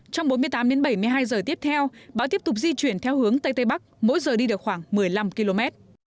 trong bốn mươi tám đến bảy mươi hai giờ tiếp theo bão tiếp tục di chuyển theo hướng tây tây bắc mỗi giờ đi được khoảng một mươi năm km